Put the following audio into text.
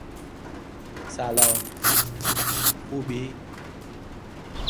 The list is sorted by squad number when total goals are equal.